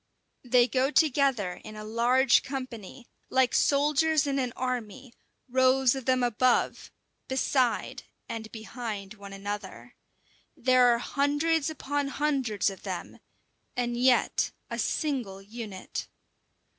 They go together in a large company, like soldiers in an army, rows of them above, beside, and behind one another. There are hundreds upon hundreds of them, and yet a single unit.